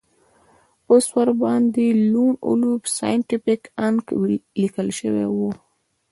اوس ورباندې لون وولف سایینټیفیک انک لیکل شوي وو